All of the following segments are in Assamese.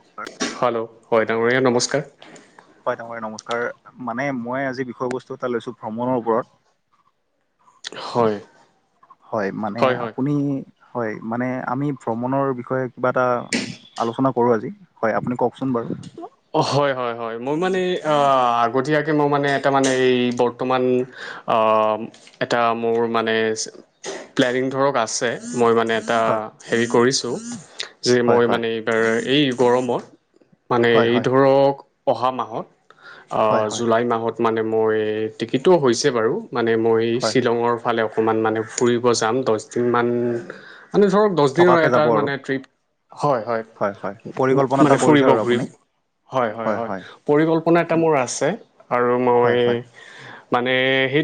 নমস্কাৰ হেল্ল' হয় ডাঙৰীয়া নমস্কাৰ হয় ডাঙৰ নমস্কাৰ মানে মই আজি বিষয়বস্তু এটা লৈছো ভ্ৰমণৰ ওপৰত হয় হয় মানে আপুনি হয় মানে আমি ভ্ৰমণৰ বিষয়ে কিবা এটা আলোচনা কৰোঁ আজি হয় আপুনি কওকচোন বাৰু হয় হয় হয় মই মানে আগতীয়াকে মই মানে এটা মানে এই বৰ্তমান এটা মোৰ মানে প্লেনিং ধৰক আছে মই মানে এটা হয় হেৰি কৰিছোঁ যে হয় মই হয় মানে এইবাৰ এই গৰমত মানে হয় এই হয় ধৰক অহা মাহত হয় হয় জুলাই মাহত মানে মই টিকিটো হৈছে বাৰু মানে মই হয় শ্বিলঙৰ ফালে অকমান মানে ফুৰিব যাম দহ দিন মান মানে ধৰক দহ দিনৰ থকাকে এটা যাব আৰু মানে ট্ৰিপ হয় হয় হয় পৰিকল্পনা এটা মানে কৰিছে ফুৰিব আৰু ঘূৰি আপুনি হয় ম ম হয় হয়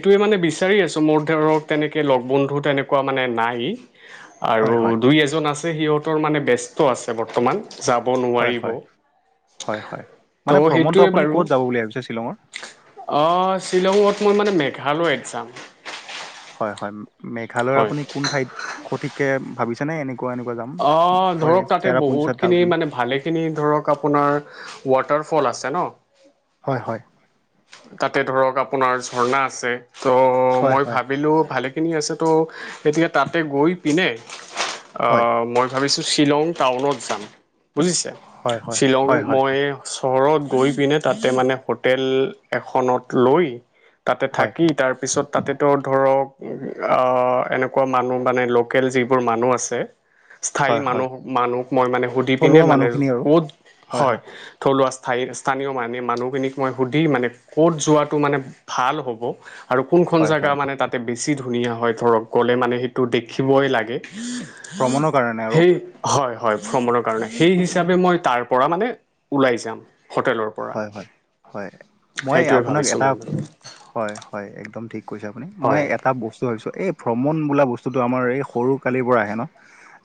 ত মানে বিচাৰি আছো মোৰ ধৰক তেনেকে লগ বন্ধু তেনেকুৱা মানে নাই আৰু হয় হয় দুই এজন আছে সিহঁতৰ মানে ব্যস্ত আছে বৰ্তমান যাব হয় নোৱাৰিব হয় হয় হয় ত' মানে ভ্ৰমণটো সেইটোৱে আপুনি বাৰু ক'ত যাব বুলি ভাবিছে শ্বিলঙৰ আহ শ্বিলঙত মান মানে মেঘালয়ত যাম হয় হয় মেঘালয়ৰ হয় আপুনি কোন ঠাইত সঠিককে ভাবিছেনেে এনে অ ধৰক তাতে বহুতখিনি ডাউকী মানে ভালেখিনি ধৰক আপোনাৰ ৱাটাৰ ফল আছে ন হয় হয় তাতে ধৰক আপোনাৰ ঝৰ্ণা আছে ত' হয় মই হয় ভাবিলো ভালে িন আ ত' গতিয়া তাতে গৈ পিনে হয় মই ভাবিছোঁ শ্বিলং টাউনত যাম বুজিছে হয় হয় শ্বিলং হয় হয় মই চহৰত গৈ পিনে তাতে মানে হোটেল এখনত লৈ তাতে হয় থাকি তাৰ পিছত তাতেতো ধৰক এনেকুৱা মানুহ মানে লোকেল যিবোৰ মানুহ আছে স্থায়ী হয় হয় মানুহ মানুহ মই মানে সুধি পিনে থলুৱা মানে মানুহখিনি আৰু ক'ত হয় থলুৱা সায় স্থানীয় মান মানুহখিনিক মই সুধি মানে ক'ত যোৱাাতটো মানে ভাল হ'ব আৰু কোনখন হয় জেগা হয় মানে তাতে বেছি ধুনীয়া হয় ধৰক গ'লে মানে সেইটো দেখিবই লাগে ভ্ৰমণৰ কাৰণে আৰু সেই হয় হয় ভ্ৰমণৰ কাৰণে সেই হিচাপে মই তাৰ পৰা মানে ওলাই যাম হোটেলৰ পৰা হয় হয় হয় মই সেইটোৱে আপোনাক ভাবিছোঁ এটা মই মানে হয় হয় একদম ঠিক ৈছে আপুনি মই হয় এটা বস্তু ভাবিছো এই ভ্ৰমণ বোলা বস্তুটো আমাৰ এই সৰু কালিৰ পৰা আহে ন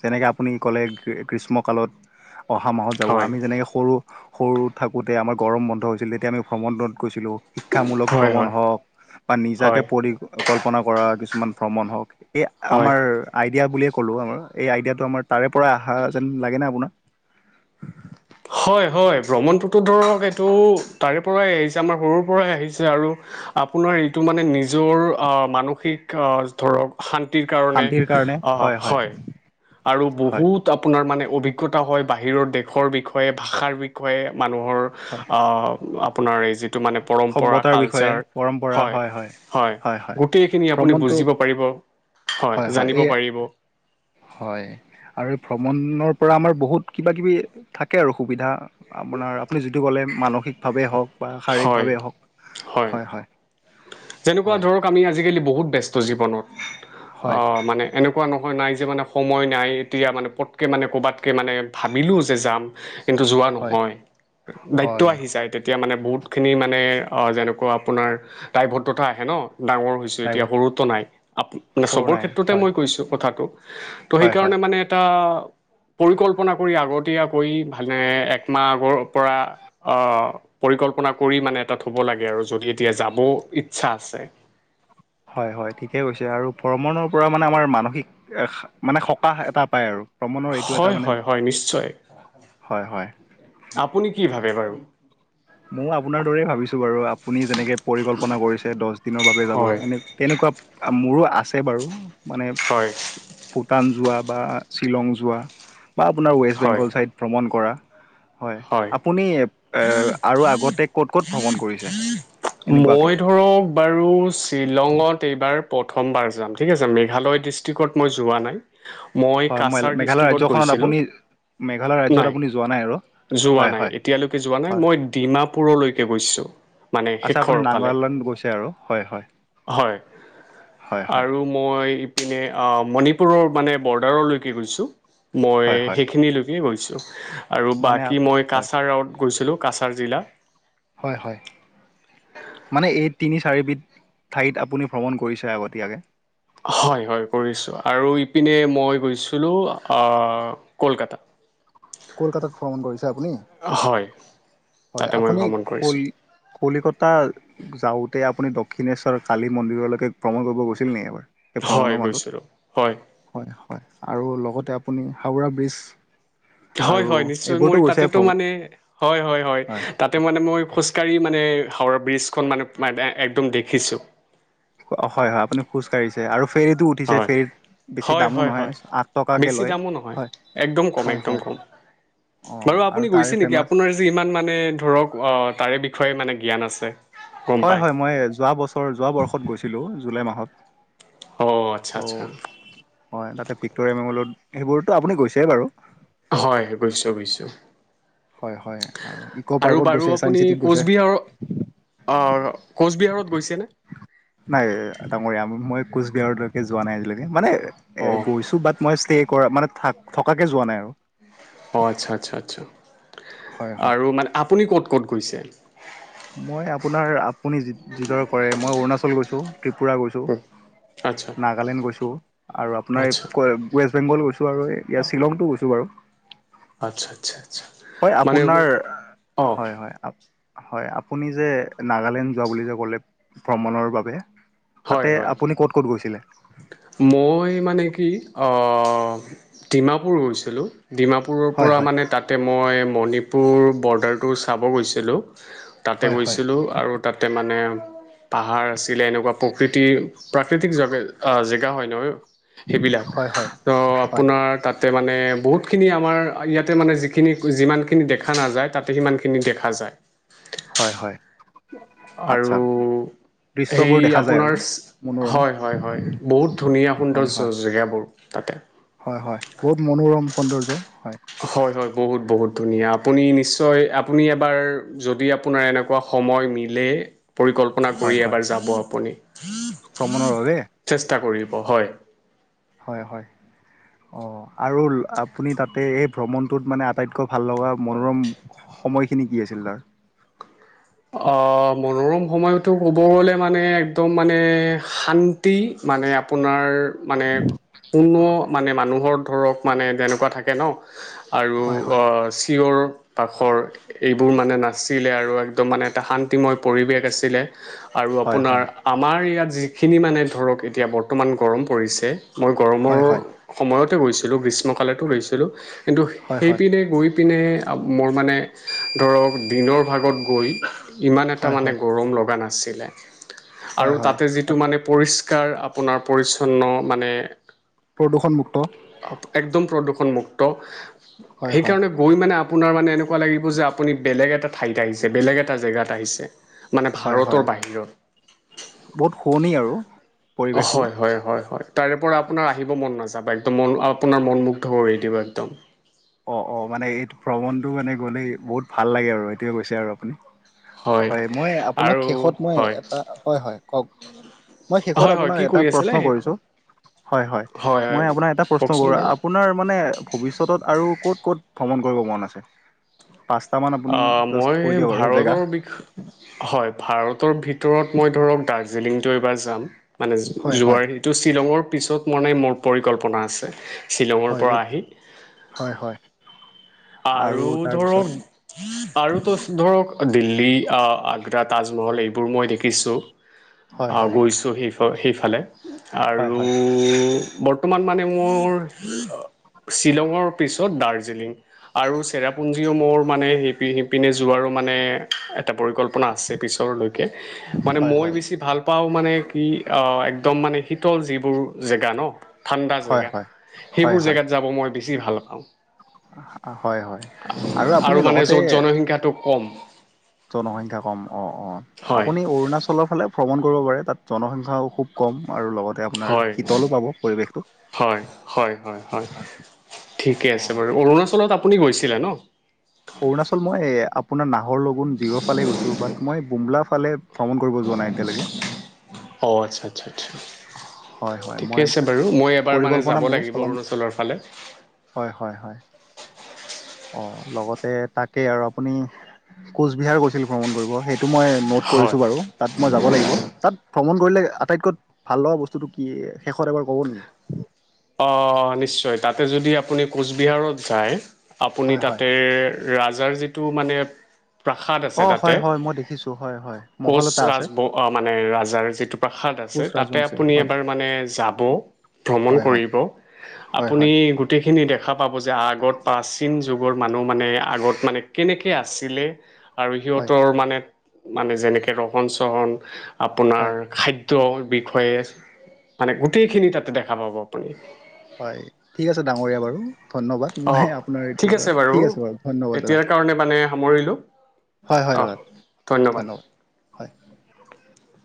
যেনেকৈ আপুনি ক'লে ক্ৰীষ্মক তালত অহা মাহত যাব হয় আমি যেনেকৈ সৰু সৰু থাকোঁতে আমাৰ গৰম বন্ধ হৈছিল তেতিয়া আমি ভ্ৰমণত গৈছিলোঁ শিক্ষামূলক হয় ভ্ৰমণ হয় হওঁক বা নিজাকে হয় পৰিকলল্পনা কৰা কিছুমান ভ্ৰমণ হওক এই হয় আমাৰ আই আইডিয়া বুলিয়ে ক'লোঁ আমাৰ এই আইডিয়াটো আমাৰ তাৰে পৰাই অহা যেন লাগে ন আপোনাক হয় হয় ভ্ৰমণটোতো ধৰক এইটো তাৰে পৰাই আহিছে আমাৰ সৰুৰ পৰাই আহিছে আৰু আপোনাৰ এইটো মানে নিজৰ অ মানসিক ধৰক শান্তিৰ কাৰণে অ হয় আৰু হয় বহুত আপোনাৰ মানে অভিজ্ঞতা হয় বাহিৰৰ দেশৰ বিষয়ে ভাষাৰ বিষয়ে মানুহৰ হয় আপোনাৰ এই যিটো মানে পৰম্পৰা সভ্যতাৰ বিষয়ে কালচাৰ পৰম্পৰা হয় হয় গোটেইখিনি আপুনি ভ্ৰমণটো বুজিব পাৰিব হয় জানিব পাৰিব হয় আৰু এই ভ্ৰমণৰ পৰা আমাৰ বহুত কিবা কিবি থাকে আৰু সুবিধা আাৰ আ আপুনি যিটো ক'লে মানসিকভাৱে হওক বা শাৰীৰিক হয় ভাৱে হওক হয় হয় যেনেকুৱা হয় ধৰক আমি আজিকালি বহুত ব্যস্ত জীৱনত হয় আহ মানে এনেকুৱা নহয় নাই যে মানে সময় নাই এতিয়া মানে পটকৈ মানে ক'ৰবাতকৈ মানে ভাবিলোঁ যে যাম কিন্তু যোৱা হয় নহয় দায়িত্ব হয় আহি যায় তেতিয়া মানে বহুতখিনি মানে যেনেকুৱা আপোনাৰ টাই ভত তথা আহে ন ডাঙৰ হৈছ এতিয়া লাইফত সৰুতো নাই আ মানে সৰু চবৰ নাই ক্ষেত্ৰতে হয় মই কৈছো কথাটো ত' হয় হয় সেইকাৰণে মানে এটা পৰিকল্পনা কৰি আগতীয়া কৰি ভালে একমাহ আগৰ পৰা আহ পৰিকল্পনা কৰি মানে এাত থ'ব লাগে আৰু যদি এতিয়া যাব ইচ্ছা আছে হয় হয় ঠিকেই কৈছে আৰু ভ্ৰমণৰ পৰা মানে আমাৰ মানসিক মানে সকাহ এটা পায় আৰু ভ্ৰমণৰ এইটো এটা হয় মানে হয় হয় নিশ্চয় হয় হয় আপুনি কি ভাবে বাৰু আপাৰছ দিনৰ বাবে যাব হয় সনে তেনেকুৱা মোৰো আছে বাৰু মানে হয় ভূটান যোৱা বা শ্বিলং যোৱা বা আপোনাৰ ৱেষ্ট হয় বেংগল ছাইড ভ্ৰমণ কৰা হয় আপুনি আৰু আগতে ক'ত ক'ত ভ্ৰমণ কৰিছে এনেকুৱাকে মই ধৰক বাৰু শ্বিলঙত এইবাৰ প্ৰথমাৰ য ঠিক আছে মেঘালয় ডিষ্ট্ৰিকত মই যোৱা নাই মই হয় কাছাৰ মেঘালয় ডিষ্ট্ৰিক্ত ৰাজ্যখনত গৈছিলোঁ আপুনি মেঘালয় ৰাজ্যত নাই আপুনি যোৱা আৰু যোৱা হয় নাই হয় এতিয়ালৈকে যোৱা নাই হয় মই ডিমাপুৰলৈকে গৈছো মানে আচ্ছা আপুনি শেষৰ ফালে নাগালেণ্ড গৈছে আৰু হয় হয় হয় হয় হয় আৰু মই মই ইপিনে মণিপুৰৰ মানে বৰ্ডাৰলৈকে গৈছোঁ মই হয় হয় সেইখিনিলৈকে গৈছো আৰু মানে আপ বাকী মই হয় কাছাৰৱত গৈছিলো কাছাৰ জিলা হয় হয় মানে এই তিনি চাৰিবিধ ঠাইত আপুনি ভ্ৰমণ কৰিছে আগতীয়াকৈ হয় হয় কৰিছোঁ আৰু ইপিনে মই গৈছিলোঁ কলকাতা কলকাতাত ভ্ৰমণ কৰিছে আপুনি হয় হয় তাতে মই আপুনি ভ্ৰমণ কল কৰিছোঁ কলিকতা যাওঁতে আপুনি দক্ষিণেশ্বৰৰ কালী মন্দিৰলৈকে ভ্ৰমণ কৰিব গৈছিল ন এইবাৰ স হয় ভ্ৰমণৰ মাজত গৈছিলোঁ হয় হয় হয় আৰু লগতে তাতে আপুনি হাওৰা ব্ৰীজ হয় হয় নিশ্চয় মোৰ তাতেতটো মানে হয় হয় হয় তাতে মানে মই খোজ কাৰী মানে হাওৰ ব্ৰীজখন মানে একদম দেখিছো হয় হয় আপুনি খোজ কঢ়িছে আৰু ফেৰীতটো উঠিছে হয় ফেৰীত বেছি হয় দামো হয় নহয় হয় আঠ টকাকে বেছি লয় দামো নহয় হয় একদম কম হয় একদম হয় কম [unintelligible] অঁ বাৰু আৰু আপুনি তাৰে গৈছে নিকি ফেমাচ আপোনাৰ যে ইমান মানে ধৰক অ তাৰে বিষয়ে মানে জ্ঞান আছে গম হয় পায় হয় মই যোৱা বছৰ যোৱা বৰ্ষত গৈছিলোঁ জুলাই মাহত অ আচ্ছা অ আচ্ছা হয় তাতে ভিক্টৰিয়া মেমৰিয়েলত সেইবোৰতো আপুনি গৈছে বাৰু হয় গৈছো বুইছে হয় হয় আৰু ইক' পাৰ্কত গৈছে ছাইন্স চিটিত গৈছে অ কোচবিহাৰত গৈছেনে নাই ডাঙৰীয়া মই কোচবিহাৰলৈকে যোৱা নাই আজিলেকে মানে অ এ গৈছো বাট মই ষ্টে কৰা মানে থ থকাকে যোৱা নাই আৰু অঁ আচ্ছা আচ্ছা আচ্ছা হয় হয়। আৰু মানে আপুনি ক'ত ক'ত গৈছে মই আপোনাৰ আপুনি যি যিদৰে কৰে মই অৰুণাচল গৈছোঁ ত্ৰিপুৰা গৈছোঁ আচ্ছা নাগালেণ্ড গৈছোঁ আৰু আপোনাৰ এই আচ্ছা ৱেষ্ট বেংগল গৈছোঁ ইয়াত শ্বিলংতো গৈছো বাৰু আচ্ছা আচ্ছা হয় মানে আপোনাৰ অ হয় হয় হয় আপুনি যে নাগালেণ্ড যোৱা বুলি যে ক'লে ভ্ৰমণৰ বাবে হয় তাতে হয় আপুনি ক'ত ক'ত গৈছিলে মই মানে কি অ ডিমাপুৰ গৈছিলোঁ ডিমাপুৰৰ হয় পৰা হয় মানে তাতে মই মণিপুৰ বৰ্ডাৰটো চাব গৈছিলোঁ তাতে হয় হয় গৈছিলোঁ আৰু তাতে মানে পাহাৰ আছিলে এনেকুৱা প্ৰকৃতিৰ প্ৰাকৃতিক জগা জেগা হয় নহয় সেইবিলাক হয় হয় ত হয় আপোনাৰ তাতে মা মানে বহুতখিনি আমাৰ ইয়াতে মানে যিখিনি যিমানখিনি দেখা নাযায় তাতে সিমানখিনি দেখা যায় হয় হয় আচ্ছা আৰু হেই দৃশ্যবোৰ দেখা যায় আপোনাৰ আৰু চি মনোৰমা হয় হয় হয় বহুত ধুনীয়া সুন্দৰ হয় জ হয় জেগাবোৰ তাতে হয় হয় বহুত মনোৰম সৌন্দৰ্য হয় হয় হয় বহুত বহুত ধুনীয়া আপুনি নিশ্চয় আপুনি এবাৰ যদি আপোনাৰ এনেকুৱা সময় সময় মিলে পৰিকল্পনা কৰি এবাৰ যাব আপুনি ক্ৰমণৰ বাবে স হয় হয় হয় অঁ আৰু আপুনি তাতে এই ভ্ৰমণটোত মানে আটাইতকৈ ভাল লগা মনোৰম সময়খিনি কি আছিল তাৰ অ মনোৰম সময়তো ক'ব গলে মানে একদম মানে শান্তি মানে আপোনাৰ মানে কোনো মানে মানুহৰ ধৰক মানে যেনেকুৱা থাকে ন আৰু হয় হয় চিঞৰ আ পাখৰ এইবোৰ মানে নাছিলে আৰুএক ত মানে এটা শান্তিময় পৰিৱেশ আছিলে আৰু হয় আপোনাৰ হয় আমাৰ ইয়াত যি খিনি মানে ধৰক এতিয়া বৰ্তমান গৰম পৰিছে মই গৰমৰ হয় হয় সময়তে গৈছিলোঁ গ্ৰীষ্ ষ্মকালেটো লৈছিলোঁ কিন্তু হয় হয় সেইপিনে গৈ পিনে মোৰ মানে ধৰক দিনৰ ভাগত গৈ ইমান এটা হয় মানে হয় গৰম লগা নাছিলে আৰু হয় হয় তাতে যিটো তাত মানে পৰিচ্ কাৰ আপোনাৰ পৰিচ্ছন্ন মানে প্ৰদূষণমুক্ত একদম প্ৰদূষণ মুুক্ত । হয় হয় সেইকাৰণে গৈ মানে আপোনাৰ মানে এনেকুৱা লাগিব যে আপুনি বেলেগ এটা ঠাইত আহিছে। বেলেগ এটা জেগাত আহিছে মানে হয় হয় ভাৰতৰ বাহিৰত বহুত । শুৱনি আৰু পৰিৱেশবোৰ হয়, হয়, হয়, হয়, তাৰে পৰা আপোনাৰ আহিব মন নাযায় । যাবা একদম মন আপোনাৰ মনমুগ্ধ কৰি দিব একদম অ, অ মানে এইটো ভ্ৰমণটো মানে গ'লে বহুত ভাল লাগে আৰু সেইটোৱে কৈছে আৰু আপুনি? হয় মই আপোনাক আৰু শেষত মই হয় এটা হয় - হয় কওক মই শেষত হয় হয় আপোনাক কি এটা কৈ আছিলে প্ৰশ্ন শেষত কৰিছো? হয়-হয় হয় হয় মই আপোনাৰ এটা প্ৰশ্ন কওকচোন কৰো বাৰু আপোনাৰ মানে ভবিষ্যতত আৰু ক'ত - ক'ত ভ্ৰমণ কৰিব মন আছে? পাঁচটামান অ, আপুনি জাষ্ট মই কৈ দিয়ক আৰু জেগা ভাৰতৰ বিষ হয় ভাৰতৰ ভিতৰত মই ধৰক দাৰ্জিলিংটো এইবাৰ যাম মানে হয় হয় যোৱাৰ সিটো শ্বিলঙৰ পিছত মানে মোৰ পৰিকল্পনা আছে শ্বিলঙৰ হয় পৰা আহি । হয় হয় আৰু ধৰক আৰু তো ধৰক দিল্লী আগ্ৰা তাজমহল এইবোৰ মই দেখি হয় শিকিছো হয় গৈছো সেই সেইফালে হয় আৰু হয় বৰ্তমান মানে মোৰ শ্বিলঙৰ পিছত দাৰ্জিলিং । আৰু চেৰাপুঞ্জীও মোৰ মানে সি সিপিনে যোৱাৰো মানে এটা পৰিকল্পনা আছে পিছলৈ । মানে হয় মই হয় বেছি ভাল পাও মানে একদম মানে শীতল যিবোৰ জেগা ন । ঠাণ্ডা হয় জেগা হয় হয় সেইবোৰ হয় জেগাত যাব মই বেছি ভাল পাও । আ, হয় হয় আপুনি আৰু মানে লগতে য'ত জনসংখ্যাটো কম । জনসংখ্যা কম অ-অ হয় আপুনি অৰুণাচলৰ ফালে ভ্ৰমণ কৰিব পাৰে তাত জনসংখ্যাও খুব কম । আৰু লগতে আপোনাৰ হয় শীতলো পাব পৰিৱেশটো হয় হয় হয় হয় ঠিকে অ আছে বাৰু অৰুণাচলত আপুনি গৈছিলে ন । অৰুণাচল মই আপোনাৰ নাহৰ সেইফালে ভ্ৰমণ কৰিব যোৱা নাই এতিয়ালৈকে। অ, আচ্ছা-আচ্ছা-আচ্ছা। হয় হয় ঠিকে মই আছে বাৰু মই এবাৰ মানে পৰিকল্পনা যাব মোৰো লাগিব চলাম অৰুণাচলৰ ফালে । হয় হয় হয় অ, লগতে তাকে আৰু আপুনি কোচবিহাৰ গৈছিল ভ্ৰমণ কৰিব এইটো মই নোট হয় কৰিছো বাৰু তাত মই যাব লাগিব তাত ভ্ৰমণ কৰিলে আটাইতকৈ ভাল লগা বস্তুটো কি শেষত এবাৰ ক'ব নেকি? অ, নিশ্চয় তাতে যদি আপুনি কোচবিহাৰত যায় আপুনি হয় হয় তাতে ৰাজাৰ যিটো মানে প্ৰাসাদ আছে অ তাতে হয় হয় মই দেখিছোঁ হয় হয় মহল কোঁচ এটা আছে ৰাজ মানে ৰাজাৰ যিটো প্ৰাসাদ। কোচ তাতে ৰাজবংশীৰ আপুনি হয় এবাৰ মানে যাব ভ্ৰমণ হয় হয় কৰিব । হয় আপুনি হয় গোটেইখিনি দেখা পাব যে আগত প্ৰাচীন যুগৰ মানুহ মানে আগত মানে কেনেযে আছিলে । আৰু হয় সিহতৰ মানে মানে যেনেকৈ ৰহণ চহন আপোনাৰ হয় খাদ্য বিষয়ে মানে গোটেইখিনি তাতে দেখা পাব আপুনি। হয় ঠিক আছে ডাঙৰীয়া বাৰু। ধন্যবাদ অঁ মই আপোনাৰ ঠিক এইটোৰ পৰা আছে ঠিক আছে বাৰু ধন্যবাদ দাদা এতিয়াৰ কাৰণে মানে সামৰিলোঁ । হয়-হয় অঁ দাদা ধন্যবাদ হয় ।